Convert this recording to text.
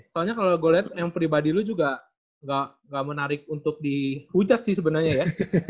soalnya kalau gue liat yang pribadi lo juga gak menarik untuk dihujat sih sebenernya ya